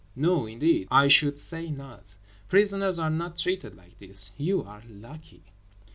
No indeed, I should say not. Prisoners are not treated like this. You are lucky."